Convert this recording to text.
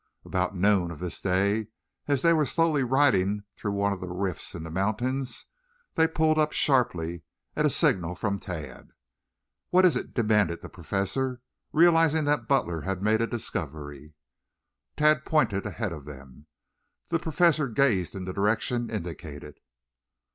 About noon of this day as they were slowly riding through one of the rifts in the mountains, they pulled up sharply at a signal from Tad. "What is it?" demanded the Professor, realizing that Butler had made a discovery. Tad pointed ahead of them. The Professor gazed in the direction indicated.